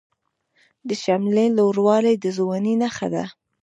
د شملې لوړوالی د ځوانۍ نښه ده.